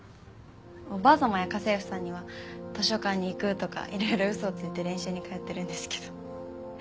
おばあ様や家政婦さんには図書館に行くとかいろいろ嘘をついて練習に通ってるんですけど。